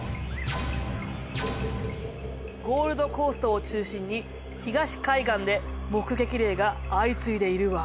ゴールドコーストを中心に東海岸で目撃例が相次いでいるわ。